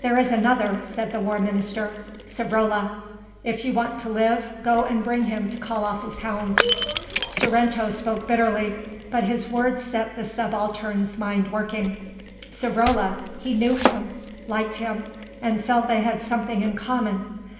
"There is another," said the War Minister, "Savrola. If you want to live, go and bring him to call off his hounds." Sorrento spoke bitterly, but his words set the Subaltern's mind working. Savrola, he knew him, liked him, and felt they had something in common.